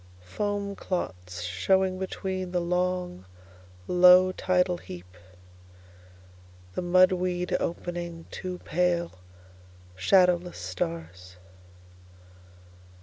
Foam clots showing betweenThe long, low tidal heap, The mud weed opening two pale, shadowless stars.